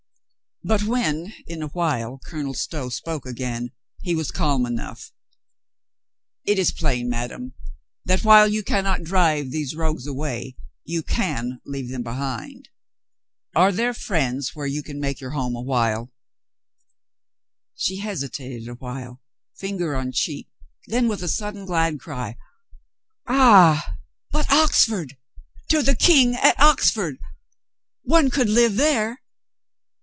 But when, in ,a while, Colonel Stow spoke again, he was calm enough. "It is plain, madame, that, while you can not drive these rogues away, you can leave them behind. Are there friends where you can make your home a while?" 68 COLONEL GREATHEART She hesitated a while, finger on cheek, then with a sudden glad cry : "Ah, but Oxford ! To the King at Oxford! One could live there."